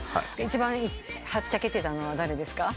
一番はっちゃけてたのは誰ですか？